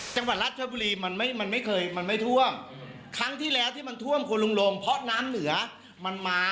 จังหวัดรัชบุรีมันไม่มันไม่เคยมันไม่ท่วมครั้งที่แล้วที่มันท่วมคุณลุงลงเพราะน้ำเหนือมันมา